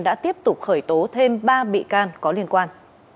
đã tiếp tục khởi tố thêm ba bị can có liên quan